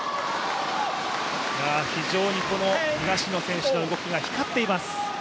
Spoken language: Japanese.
非常に東野選手の動きが光っています。